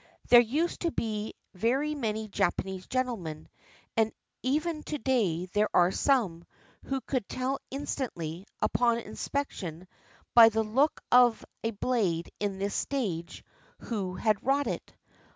There used to be very many Japanese gentlemen, and even to day there are some, who could tell instantly, upon inspection, by the look of a blade in this stage, who had wrought it.